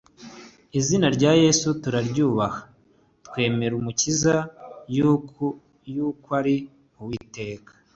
Izina rya Yesu-turaryubaha, Twemer’umukiza-yukw ari’uwiteka